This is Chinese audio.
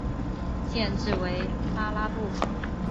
县治为巴拉布。